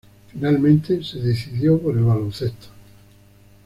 Finalmente, se decidió por el baloncesto.